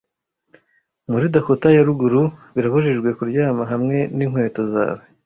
Muri Dakota ya ruguru birabujijwe kuryama hamwe ninkweto zawe